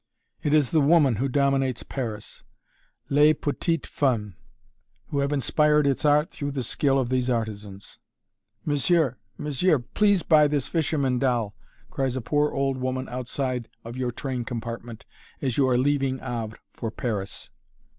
It is the Woman who dominates Paris "Les petites femmes!" who have inspired its art through the skill of these artisans. "Monsieur! monsieur! Please buy this fisherman doll!" cries a poor old woman outside of your train compartment, as you are leaving Havre for Paris.